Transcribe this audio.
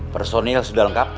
personil sudah lengkap